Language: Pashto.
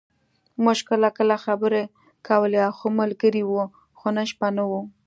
موږ کله کله خبرې کولې او ښه ملګري وو، خو نن شپه نه و.